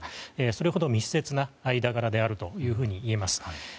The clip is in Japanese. それほど密接な間柄であるといえます。